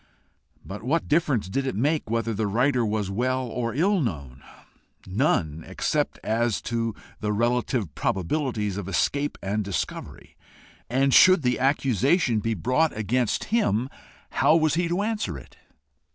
But what difference did it make whether the writer was well or ill known? None, except as to the relative probabilities of escape and discovery! And should the accusation be brought against him, how was he to answer it?